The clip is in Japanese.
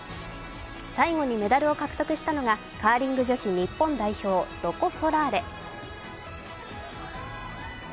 最後にメダルを獲得したのがカーリング女子日本代表ロコ・ソラーレ。